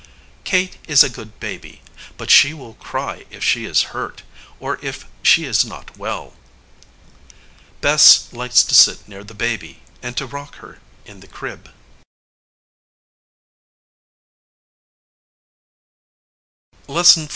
Kate is a good baby; but she will cry if she is hurt, or if she is not well. Bess likes to sit near the baby, and to rock her in the crib.